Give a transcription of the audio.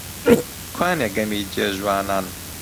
کوانێ گەمەی جێ ژوانان؟